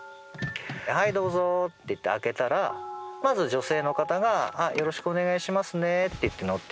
はいどうぞって言って開けたらまず女性の方がよろしくお願いしますねって言って乗ってきた。